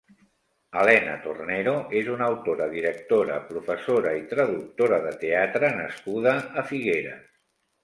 Helena Tornero és una autora, directora, professora i traductora de teatre nascuda a Figueres.